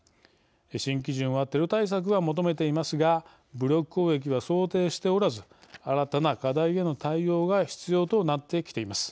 新基準はテロ対策が求めていますが武力攻撃は想定しておらず新たな課題への対応が必要となってきています。